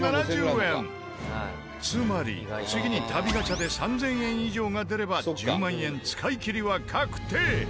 つまり次に旅ガチャで３０００円以上が出れば１０万円使い切りは確定！